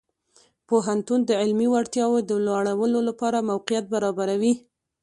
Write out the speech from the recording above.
پوهنتون د علمي وړتیاو د لوړولو لپاره موقعیت برابروي.